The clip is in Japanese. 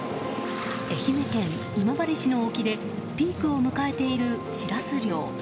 愛媛県今治市の沖でピークを迎えているシラス漁。